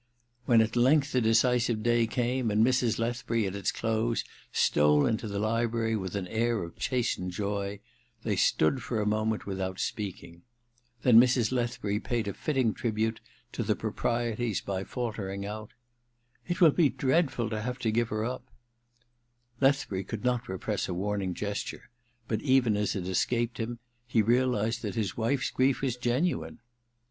When at length the decisive day came, and Mrs. Lethbury, at its close, stole into the library with an air of chastened joy, they stood for a moment without speaking ; then Mrs. Lethbury paid a fitting tribute to the proprieties by falter ing out :* It will be dreadful to have to give her up ' Lethbury could not repress a warning ges ture ; but even as it escaped him he raized that his wife's grief was genuine.